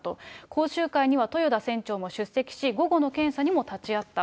講習会には豊田船長も出席し、午後の検査にも立ち会った。